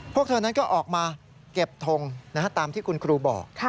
พวกเธอนั้นก็ออกมาเก็บทงตามที่คุณครูบอก